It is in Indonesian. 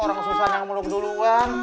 orang susan yang meluk melukan duluan